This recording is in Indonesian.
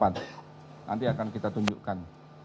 nanti akan kita tunjukkan